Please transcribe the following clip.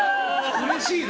うれしいの？